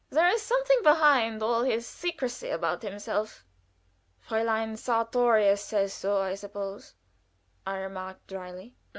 "There is something behind all his secrecy about himself." "Fräulein Sartorius says so, I suppose," I remarked, dryly.